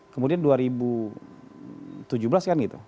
kemudian dua ribu tujuh belas kan gitu